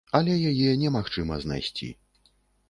Але яе немагчыма знайсці.